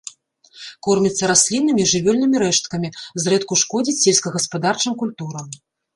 Корміцца расліннымі і жывёльнымі рэшткамі, зрэдку шкодзіць сельскагаспадарчым культурам.